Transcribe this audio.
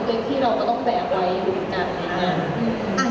อย่างที่เราก็ต้องแบบไว้อยู่ด้วยกัน